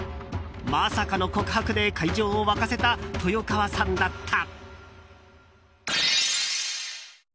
まさかの告白で会場を沸かせた豊川さんだった。